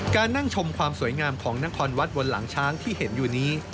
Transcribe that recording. การนั่งชมความสวยงามของนครวัดบนหลังช้างที่เห็นอยู่นี้